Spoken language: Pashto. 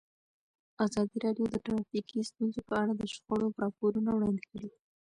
ازادي راډیو د ټرافیکي ستونزې په اړه د شخړو راپورونه وړاندې کړي.